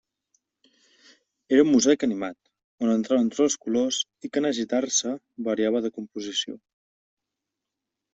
Era un mosaic animat, on entraven tots els colors i que en agitar-se variava de composició.